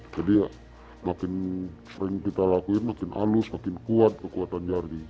jadi makin sering kita lakuin makin halus makin kuat kekuatan jari